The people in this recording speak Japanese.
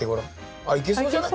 あっいけそうじゃない？